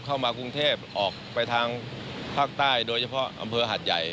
เข้ามากรุงเทพออกไปทางภาคใต้โดยเฉพาะอำเภอหัดใหญ่